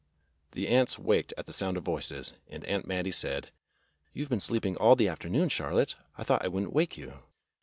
The aunts waked at the sound of voices, and Aunt Mattie said: "You've been sleeping all the afternoon, Charlotte. I thought I would n't wake you."